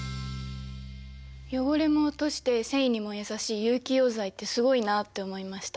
汚れも落として繊維にも優しい有機溶剤ってすごいなって思いました。